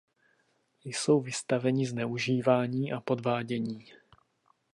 Jsou vystaveni zneužívání a podvádění.